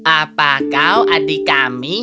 apa kau adik kami